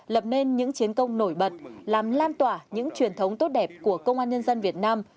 lập nên những chiến công nổi bật làm lan tỏa những truyền thống tốt đẹp của công an nhân dân việt nam